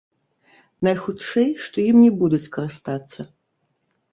Найхутчэй, што ім не будуць карыстацца.